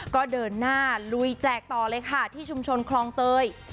ก็เดินหน้าลุยแจกต่อเลยค่ะที่ชุมชนคลองเตย